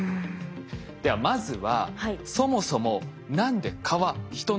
ではまずはそもそも何で蚊は人の血を吸うのか？